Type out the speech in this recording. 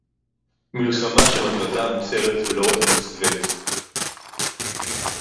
מלחמה שמטרתה המוצהרת, ולא רק המוסווית